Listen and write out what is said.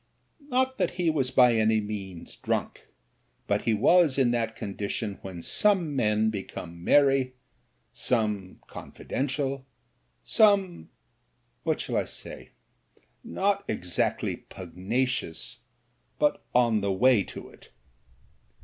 Not that he was by any means drunk, but he was in that condition when some men become merry, some confidential, some — ^what shall I say? — ^not exactly pugnacious, but on the way to it.